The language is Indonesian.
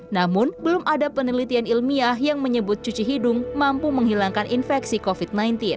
namun belum ada penelitian ilmiah yang menyebut cuci hidung mampu menghilangkan infeksi covid sembilan belas